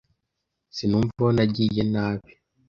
Sinumva aho nagiye nabi